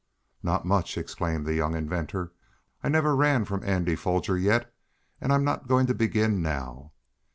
"Not much!" exclaimed the young inventor. "I never ran from Andy Foger yet, and I'm not going to begin now."